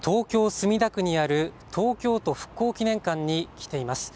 墨田区にある東京都復興記念館に来ています。